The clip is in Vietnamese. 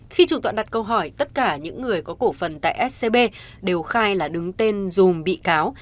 khi chủ tọa đặt câu hỏi tất cả những người có cổ phần tại scb đều khai là đứng tên dùm bị cáo